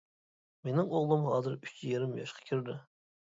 مېنىڭ ئوغلۇم ھازىر ئۈچ يېرىم ياشقا كىردى.